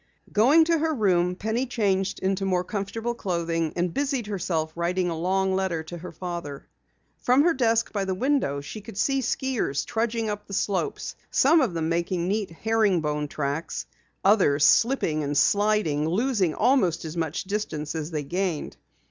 Going to her room, Penny changed into more comfortable clothing and busied herself writing a long letter to her father. From her desk by the window she could see skiers trudging up the slopes, some of them making neat herring bone tracks, others slipping and sliding, losing almost as much distance as they gained.